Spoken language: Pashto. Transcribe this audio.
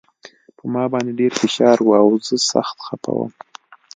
په ما باندې ډېر فشار و او زه سخت خپه وم